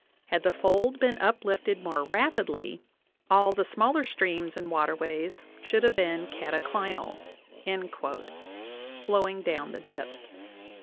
... Had the fold been uplifted more rapidly, ... all the smaller streams and waterways should <"~ 7 have been cataclinal" (flowing down the dip).